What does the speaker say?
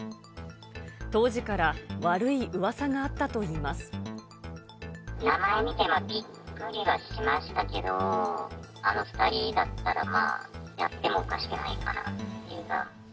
当時から悪いうわさがあった名前見て、びっくりはしましたけど、あの２人だったらやってもおかしくないかなっていうか。